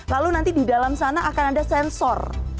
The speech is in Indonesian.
lalu nanti di dalam sana akan ada sensor